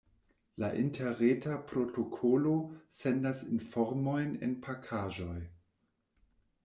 La interreta protokolo sendas informojn en pakaĵoj.